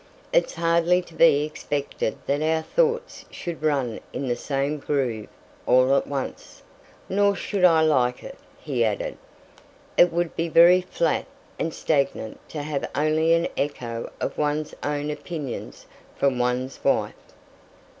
"It's hardly to be expected that our thoughts should run in the same groove all at once. Nor should I like it," he added. "It would be very flat and stagnant to have only an echo of one's own opinions from one's wife.